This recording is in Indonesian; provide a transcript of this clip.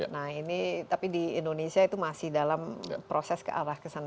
nah ini tapi di indonesia itu masih dalam proses ke arah kesana